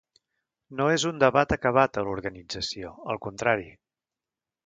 No és un debat acabat a l’organització, al contrari.